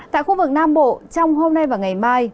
tại khu vực nam bộ trong hôm nay và ngày mai